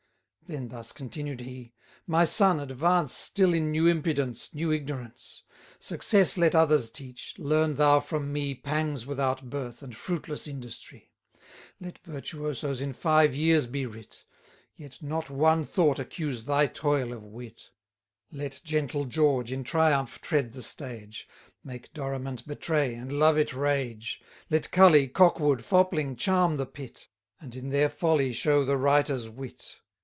Then thus continued he: My son, advance Still in new impudence, new ignorance. Success let others teach, learn thou from me Pangs without birth, and fruitless industry. Let Virtuosos in five years be writ; Yet not one thought accuse thy toil of wit. 150 Let gentle George in triumph tread the stage, Make Dorimant betray, and Loveit rage; Let Cully, Cockwood, Fopling, charm the pit, And in their folly show the writer's wit.